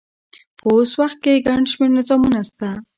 په اوس وخت کښي ګڼ شمېر نظامونه سته.